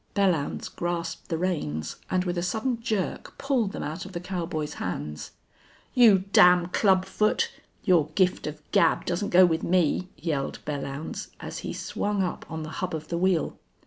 Belllounds grasped the reins, and with a sudden jerk pulled them out of the cowboy's hands. "You damn club foot! Your gift of gab doesn't go with me," yelled Belllounds, as he swung up on the hub of the wheel.